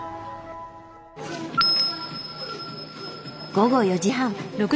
午後４時半。